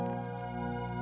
tidak ada apa apa